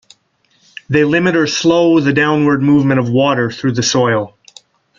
They limit or slow the downward movement of water through the soil.